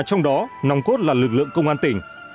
trong đó nòng cốt là lực lượng công an tỉnh